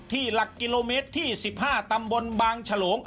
หลักกิโลเมตรที่๑๕ตำบลบางฉลง